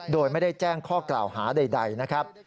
โดยไม่ได้แจ้งข้อกล่าวหาใดนะครับ